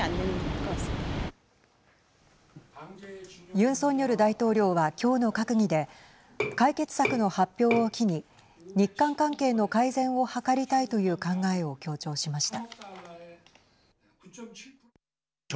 ユン・ソンニョル大統領は今日の閣議で解決策の発表を機に日韓関係の改善を図りたいという考えを強調しました。